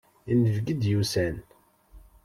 Inebgi i d-yusan.